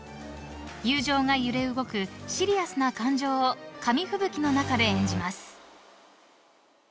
［友情が揺れ動くシリアスな感情を紙吹雪の中で演じます］